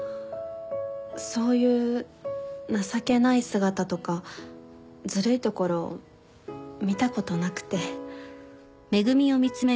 そういう情けない姿とかずるいところ見たことなくて。